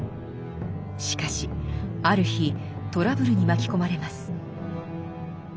しかしある日トラブルに巻き込まれます。